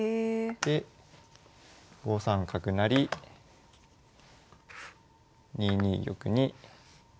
で５三角成２二玉に３一馬と。